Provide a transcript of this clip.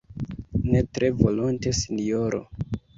ne tre volonte, sinjoro.